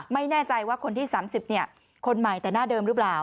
ไม่แน่ใจว่าคนที่๓๐คนใหม่แต่หน้าเดิมหรือเปล่า